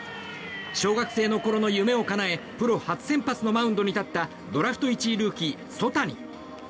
小学生のころの夢をかなえプロ初先発のマウンドに立ったドラフト１位ルーキー、曽谷。